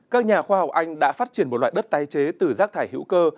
các nhà khoa học anh đã phát triển một loại đất tái chế từ rác thải hữu cơ